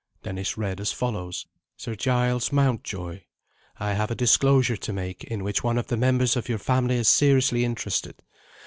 Dennis read as follows: "Sir Giles Mountjoy, I have a disclosure to make, in which one of the members of your family is seriously interested.